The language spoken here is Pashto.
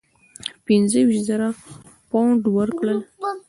پنځه ویشت زره پونډه ورکړل.